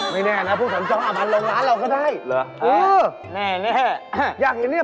ไม่แน่นะผู้สัญจรมันมาลงร้านเราก็ได้